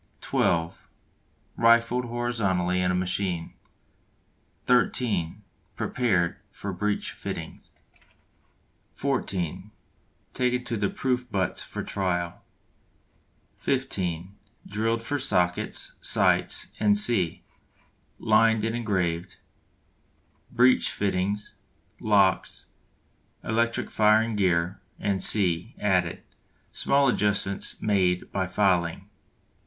(12) Rifled horizontally in a machine. (13) Prepared for breech fittings. (14) Taken to the Proof Butts for trial. (15) Drilled for sockets, sights, &c. Lined and engraved. Breech fittings, locks, electric firing gear, &c., added. Small adjustments made by filing.